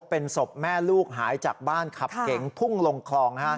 เป็นศพแม่ลูกหายจากบ้านขับเก๋งพุ่งลงคลองนะครับ